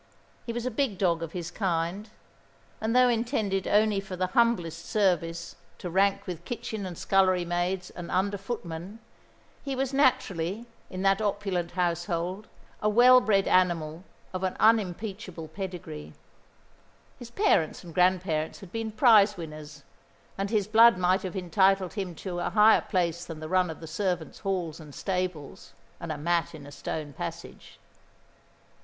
He was a big dog of his kind; and though intended only for the humblest service, to rank with kitchen and scullery maids and under footmen, he was naturally, in that opulent household, a well bred animal of an unimpeachable pedigree. His parents and grandparents had been prize winners, and his blood might have entitled him to a higher place than the run of the servants' hall and stables and a mat in a stone passage.